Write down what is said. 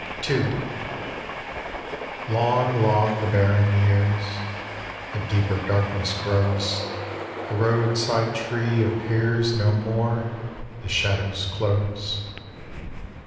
II Long, long the barren years. A deeper darkness grows; The road side tree appears No more; the shadows close.